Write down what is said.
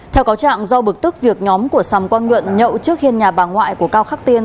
theo cáo trạng do bực tức việc nhóm của sầm quang nhuận nhậu trước hiên nhà bà ngoại của cao khắc tiên